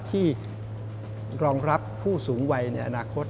ที่รองรับผู้สูงวัยในอนาคต